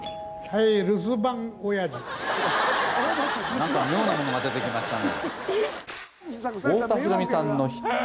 何か妙なものが出てきましたね